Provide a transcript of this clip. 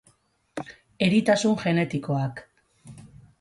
Eritasun genetikoak.